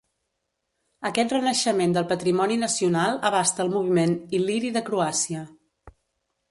Aquest renaixement del patrimoni nacional abasta el moviment il·liri de Croàcia.